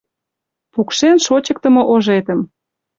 Пукшен шочыктымо ожетым